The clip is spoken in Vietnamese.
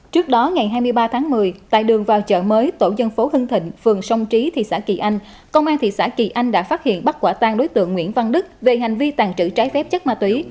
trước đó ngày hai mươi ba tháng một mươi tại đường vào chợ mới tổ dân phố hưng thịnh phường sông trí thị xã kỳ anh công an thị xã kỳ anh đã phát hiện bắt quả tang đối tượng nguyễn văn đức về hành vi tàn trữ trái phép chất ma túy